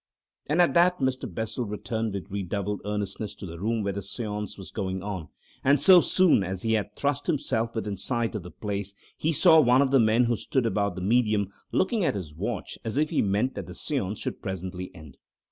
And at that Mr. Bessel returned with redoubled earnestness to the room where the seance was going on, and so soon as he had thrust himself within sight of the place he saw one of the men who stood about the medium looking at his watch as if he meant that the seance should presently end.